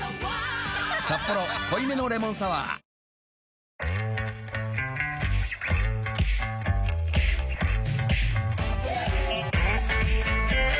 「サッポロ濃いめのレモンサワー」チリーン。